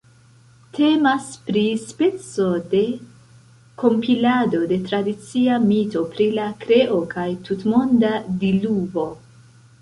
Temas pri speco de kompilado de tradicia mito pri la kreo kaj tutmonda diluvo.